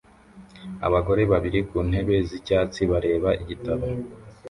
Abagore babiri ku ntebe z'icyatsi bareba igitabo